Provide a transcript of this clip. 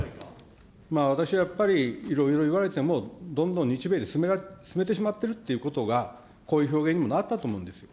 私はやっぱり、いろいろ言われてもどんどん日米で進めてしまってるってことが、こういう表現にもなったと思うんですよ。